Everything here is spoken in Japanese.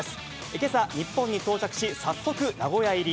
けさ、日本に到着し、早速、名古屋入り。